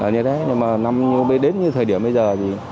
nhưng mà đến như thời điểm bây giờ